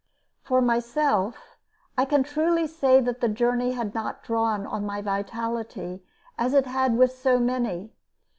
For myself, I can truly say that the journey had not drawn on my vitality as it had with so many.